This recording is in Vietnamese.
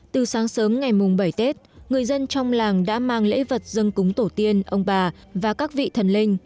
từ sáng sớm ngày mùng bảy tết người dân trong làng đã mang lễ vật dân cúng tổ tiên ông bà và các vị thần linh